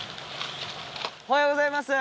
おはようございます。